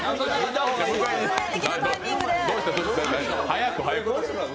早く、早く。